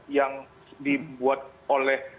yang dibuat oleh